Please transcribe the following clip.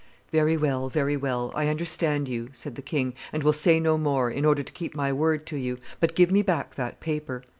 "Very well, very well: I understand you," said the king, "and will say no more, in order to keep my word to you; but give me back that paper."